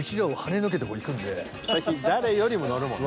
最近誰よりも乗るもんね。